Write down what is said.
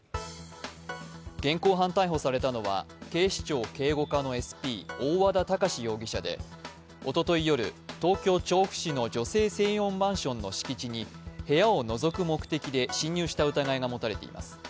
現行犯逮捕されたのは、警視庁警護課のＳＰ、大和田峰志容疑者でおととい夜、東京・調布市の女性専用マンションの敷地に部屋をのぞく目的で侵入した疑いが持たれています。